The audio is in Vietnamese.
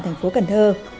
thành phố cần thơ